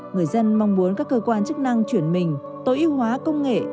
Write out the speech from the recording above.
người dân mong muốn các cơ quan chức năng chuyển mình tối ưu hóa công nghệ